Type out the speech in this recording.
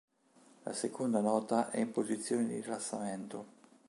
La seconda nota è in posizione di rilassamento.